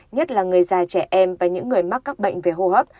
nhất là người già trẻ em và những người mắc các bệnh về hô hấp